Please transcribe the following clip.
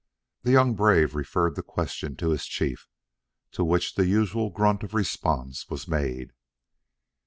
The young brave referred the question to his chief, to which the usual grunt of response was made.